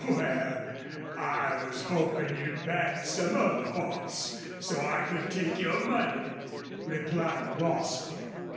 "Wal, I was hopin' you'd back some other hoss, so I could take your money," replied Bostil.